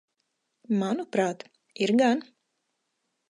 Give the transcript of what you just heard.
Manuprāt, ir gan.